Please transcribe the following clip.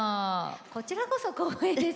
こちらこそ光栄です。